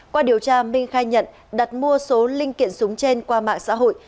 qua điều tra minh khai nhận đặt mua số linh kiện súng trên qua mạng xã hội